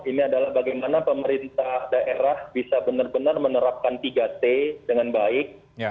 ini adalah bagaimana pemerintah daerah bisa benar benar menerapkan tiga t dengan baik